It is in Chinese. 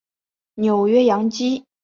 纽约洋基